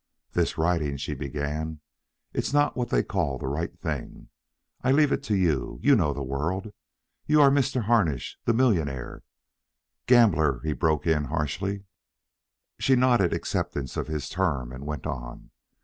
"This riding," she began; "it's not what they call the right thing. I leave it to you. You know the world. You are Mr. Harnish, the millionaire " "Gambler," he broke in harshly She nodded acceptance of his term and went on.